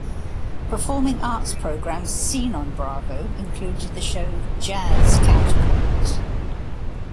Performing arts programs seen on Bravo included the show "Jazz Counterpoint".